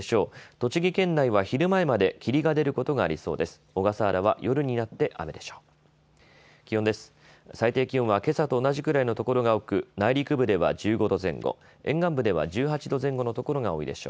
栃木県内は昼前まで霧が出ることがありそうです。